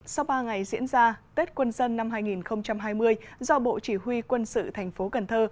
sau ba ngày diễn ra tết quân dân năm hai nghìn hai mươi do bộ chỉ huy quân sự thành phố cần thơ